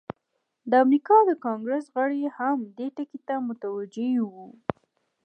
د امریکا د کانګریس غړي هم دې ټکي ته متوجه وو.